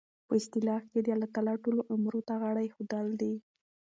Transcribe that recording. په اصطلاح کښي د الله تعالی ټولو امورو ته غاړه ایښودل دي.